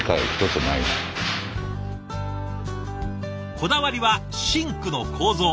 こだわりはシンクの構造。